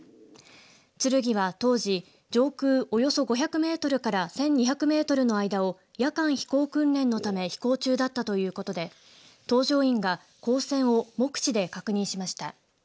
つるぎは当時上空およそ５００メートルから１２００メートルの間を夜間飛行訓練のため飛行中だったということで搭乗員が光線を目視で確認しました。